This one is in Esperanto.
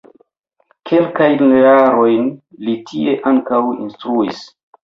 Kelkajn jarojn li tie ankaŭ instruis.